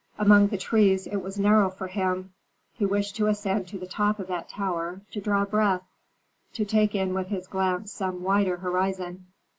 Among the trees it was narrow for him; he wished to ascend to the top of that tower, to draw breath, to take in with his glance some wider horizon.